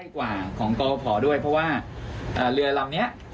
ใกล้กว่าของกล้องกภด้วยเพราะว่าเรือลำนี้